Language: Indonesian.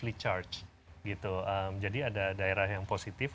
jadi kalau kita menggunakan bahan aktif kita bisa menggunakan bahan yang aktif